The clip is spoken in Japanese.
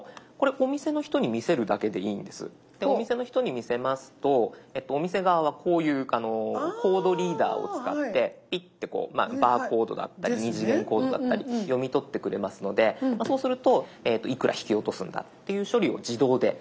お店の人に見せますとお店側はこういうコードリーダーを使ってピッてこうバーコードだったり二次元コードだったり読み取ってくれますのでそうするといくら引き落とすんだっていう処理を自動でやってくれます。